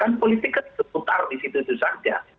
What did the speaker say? kan politik itu terputar di situ situ saja